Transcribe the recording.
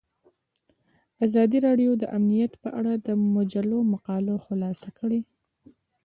ازادي راډیو د امنیت په اړه د مجلو مقالو خلاصه کړې.